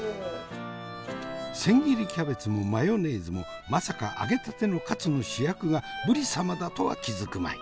千切りキャベツもマヨネーズもまさか揚げたてのカツの主役がぶり様だとは気付くまい。